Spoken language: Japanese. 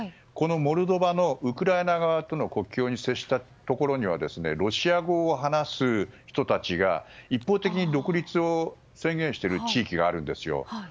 このモルドバでウクライナと国境を接した場所にはロシア語を話す人たちが一方的に独立を宣言している地域があるんですよ。